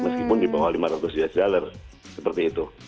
meskipun di bawah lima ratus usd seperti itu